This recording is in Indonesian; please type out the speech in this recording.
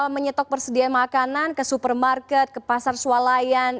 menyetok persediaan makanan ke supermarket ke pasar sualayan